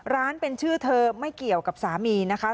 ร้านเป็นชื่อเธอไม่เกี่ยวกับสามีนะคะ